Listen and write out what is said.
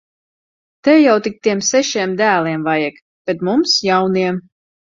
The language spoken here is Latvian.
Tev jau tik tiem sešiem dēliem vajag! Bet mums jauniem.